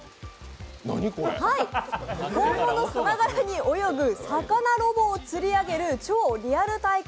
本物さながらに泳ぐ魚ロボを釣り上げる「超リアル体感！